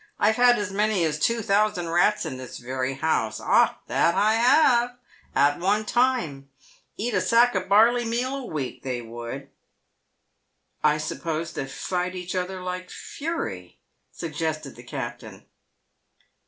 I've had as many as two thousand rats in this very house — ah, that I have !— at one time. Eat a sack of barley meal a week they would." "I suppose they fight each other like fury?" suggested the captain.